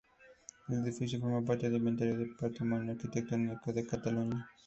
El edificio forma parte del Inventario del Patrimonio Arquitectónico de Cataluña.